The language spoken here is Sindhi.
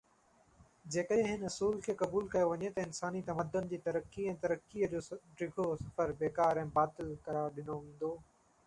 جيڪڏهن هن اصول کي قبول ڪيو وڃي ته انساني تمدن جي ترقي ۽ ترقيءَ جو ڊگهو سفر بيڪار ۽ باطل قرار ڏنو ويندو.